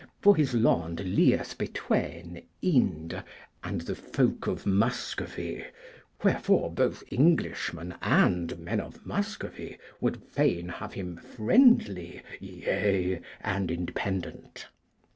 For his lond lieth between Ynde and the folk of Muscovy, wherefore both Englishmen and men of Muscovy would fain have him friendly, yea, and independent.